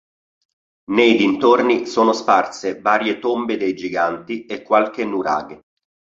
Nei dintorni sono sparse varie tombe dei giganti e qualche nuraghe.